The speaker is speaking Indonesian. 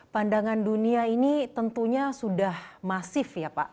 pandangan dunia ini tentunya sudah masif ya pak